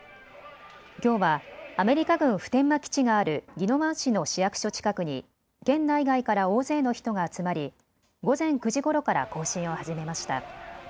きょうはアメリカ軍普天間基地がある宜野湾市の市役所近くに県内外から大勢の人が集まり午前９時ごろから行進を始めました。